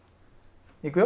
いくよ。